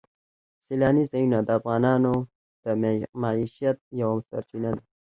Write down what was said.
سیلاني ځایونه د افغانانو د معیشت یوه سرچینه ده.